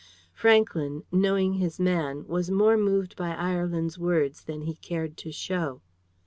Franklyn, knowing his man, was more moved by Ireland's words than he cared to show.